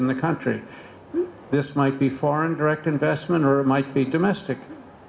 ini mungkin investasi luar negara atau investasi domestik